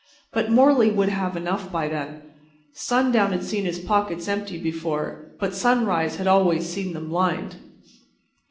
But Morley would have enough by then. Sundown had seen his pockets empty before; but sunrise had always seen them lined.